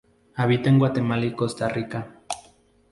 Habita en Guatemala y Costa Rica.